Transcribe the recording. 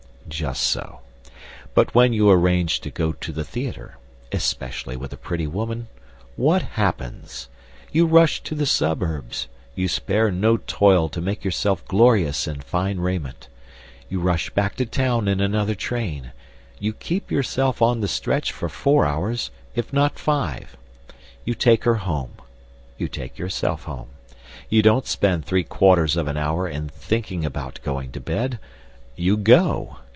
Just so. But when you arrange to go to the theatre (especially with a pretty woman) what happens? You rush to the suburbs; you spare no toil to make yourself glorious in fine raiment; you rush back to town in another train; you keep yourself on the stretch for four hours, if not five; you take her home; you take yourself home. You don't spend three quarters of an hour in "thinking about" going to bed. You go.